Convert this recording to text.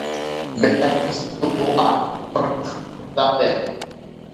Bere atean sartu du gola, korner jaurtiketa batean.